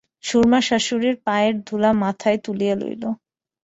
সুরমা শাশুড়ীর পায়ের ধুলা মাথায় তুলিয়া লইল।